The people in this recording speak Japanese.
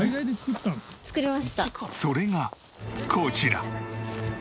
それがこちら。